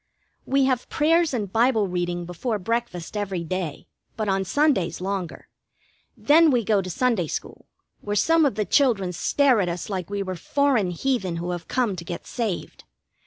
We have prayers and Bible reading before breakfast every day, but on Sundays longer. Then we go to Sunday school, where some of the children stare at us like we were foreign heathen who have come to get saved.